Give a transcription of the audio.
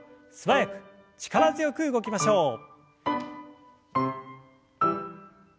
素早く力強く動きましょう。